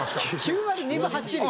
９割２分８厘